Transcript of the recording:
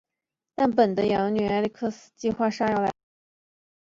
但本的养女艾莉克斯计划用炸药杀死前来偷袭的人。